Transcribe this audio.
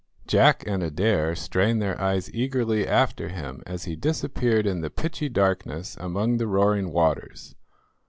Jack and Adair strained their eyes eagerly after him as he disappeared in the pitchy darkness among the roaring waters.